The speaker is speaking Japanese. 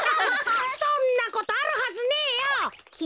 そんなことあるはずねえよ。